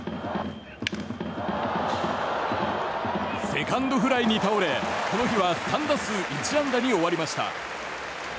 セカンドフライに倒れ、この日は３打数１安打に終わりました。